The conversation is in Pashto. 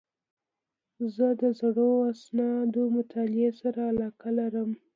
زه د زړو اسنادو مطالعې سره علاقه لرم.